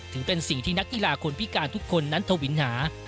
ถือเป็นสิ่งที่นักกีฬาคนพิการทุกคนนั้นทวินหา